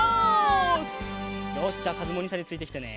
よしじゃあかずむおにいさんについてきてね。